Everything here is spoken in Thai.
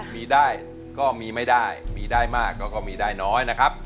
มีได้ก็มีไม่ได้มีได้มากก็มีได้น้อยนะครับ